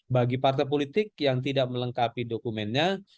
bagi partai politik yang tidak melengkapi dokumennya